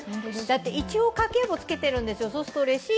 一応家計簿つけているんですよ。